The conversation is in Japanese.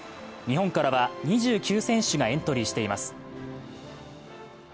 日本からは２９選手がエントリーしています。